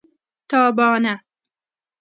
تابانه